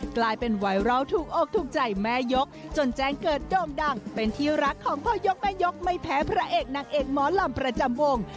กลายเป็นไวรัลถูกอกถูกใจแม่ยกจนแจ้งเกิดโด่งดังเป็นที่รักของพ่อยกแม่ยกไม่แพ้พระเอกนางเอกหมอลำประจำวง